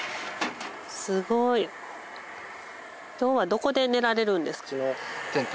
すごい。今日はどこで寝られるんですか？